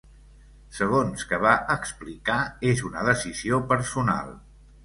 Segons que va explicar, és una decisió personal.